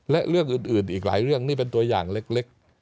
และเรื่องอื่นอีกหลายเรื่องนี่เป็นตัวอย่างเล็ก